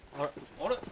・あれ？